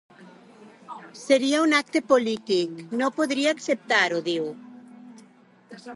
Seria un acte polític, no podria acceptar-ho, diu.